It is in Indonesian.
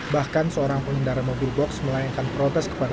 bahkan seorang pengendara mobil box melayangkan protes